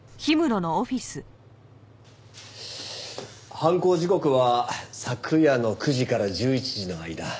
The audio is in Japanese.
犯行時刻は昨夜の９時から１１時の間。